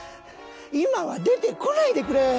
今は出て来ないでくれ！